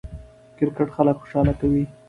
کرکټ خلک خوشحاله کوي.